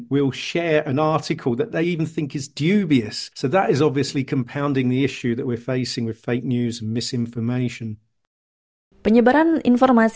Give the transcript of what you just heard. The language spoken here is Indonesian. maka itu bisa mengakibatkan perangkat